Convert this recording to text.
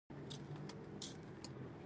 عمومي قبایلي پاڅون.